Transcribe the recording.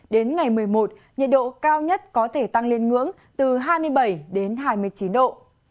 đến ngày một mươi một nhiệt độ cao nhất có thể tăng lên ngưỡng từ hai mươi bảy đến hai mươi chín độ